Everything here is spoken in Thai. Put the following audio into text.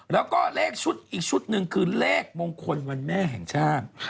แล้วก็เลขชุดอีกชุดหนึ่งคือเลขมงคลวันแม่แห่งชาติ